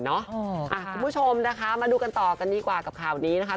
คุณผู้ชมนะคะมาดูกันต่อกันดีกว่ากับข่าวนี้นะคะ